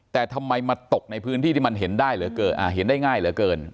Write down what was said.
แต่ทำไมมาตกในพื้นที่ที่มันเห็นได้เหลือเกินเห็นได้ง่ายเหลือเกิน